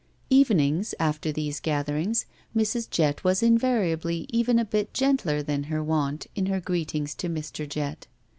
Evenings, after these gatherings, Mrs. Jett was invariably even a bit gentler than her wont in her greetings to Mr. Jett.